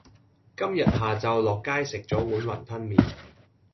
今日下晝落街食咗碗雲吞麪